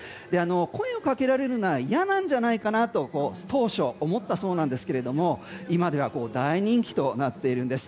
声をかけられるのは嫌なんじゃないかなと当初、思ったそうなんですが今では大人気となっているんです。